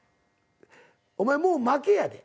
お前もう負けやで。